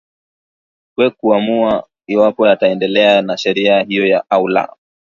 wa kuamua iwapo yataendelea na sheria hiyo au la